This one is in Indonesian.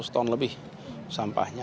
empat ratus ton lebih sampahnya